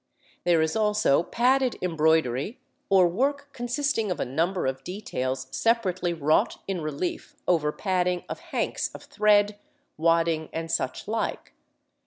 There is also padded embroidery or work consisting of a number of details separately wrought in relief over padding of hanks of thread, wadding, and such like.